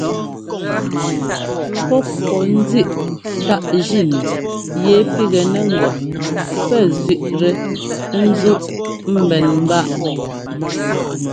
Pɔ́p pɔ́ ńzíꞌ táꞌ jínu yɛ pigɛnɛ ŋgɔ pɛ́ zẅíꞌtɛ ńzúꞌ ḿbɛn ḿbáꞌ.